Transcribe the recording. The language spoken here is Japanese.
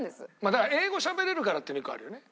だから英語しゃべれるからっていうの一個あるよね。